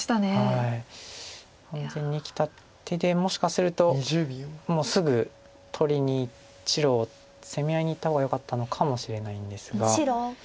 完全に生きた手でもしかするともうすぐ取りに攻め合いにいった方がよかったのかもしれないんですが。